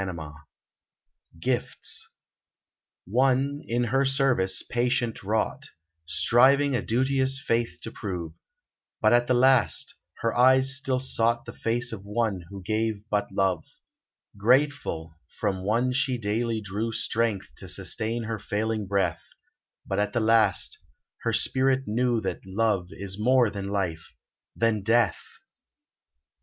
ii6 GIFTS /^NE, in her service, patient wrought, Striving a duteous faith to prove ; But at the last, her eyes still sought The face of one who gave but love Grateful, from one she daily drew Strength to sustain her failing breath ; But at the last, her spirit knew That love is more than life — than death